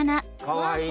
かわいい。